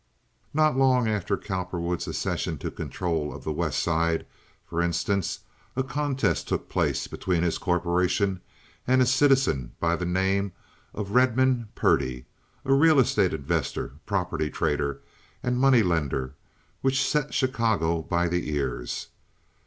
Not long after Cowperwood's accession to control on the West Side, for instance, a contest took place between his corporation and a citizen by the name of Redmond Purdy—real estate investor, property trader, and money lender—which set Chicago by the ears.